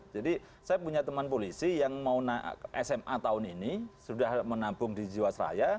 jadi saya punya teman polisi yang sma tahun ini sudah menabung di jiwasraya